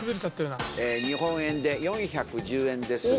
日本円で４１０円ですが。